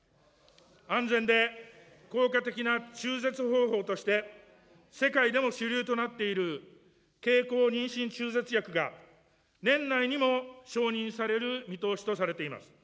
安全で効果的な中絶方法として、世界でも主流となっている経口妊娠中絶薬が、年内にも承認される見通しとされています。